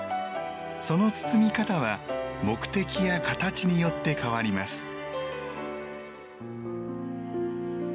その包み方は目的や形によって変わります。